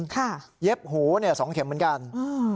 ค่ะเย็บหูสองเข็มเหมือนกันอืม